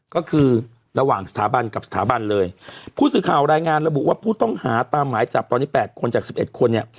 ก็คือระหว่างสถาบันกับสถาบันเลยผู้สื่อข่าวรายงานระบุว่าผู้ต้องหาตามหมายจับตอนนี้แปดคนจากสิบเอ็ดคนเนี่ย